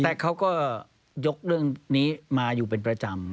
แต่เขาก็ยกเรื่องนี้มาอยู่เป็นประจำ